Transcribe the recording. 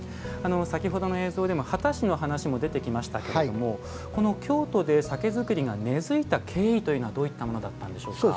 先ほどの映像でも秦氏の話も出てきましたけれどもこの京都で酒造りが根づいた経緯というのはどういったものだったんでしょうか？